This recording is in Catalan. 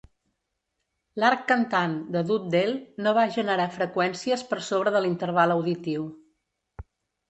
L'"arc cantant" de Duddell no va generar freqüències per sobre de l'interval auditiu.